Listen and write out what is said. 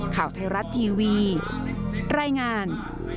ข่าวไทยรัตน์ทีวีไล่งาน